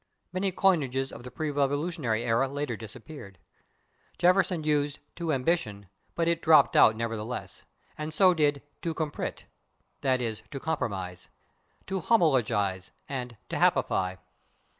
Many coinages of the pre Revolutionary era later disappeared. Jefferson used /to ambition/ but it dropped out nevertheless, and so did /to compromit/, (/i. e./, to compromise), /to homologize/, and /to happify